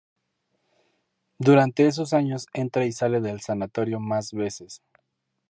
Durante esos años entra y sale del sanatorio más veces.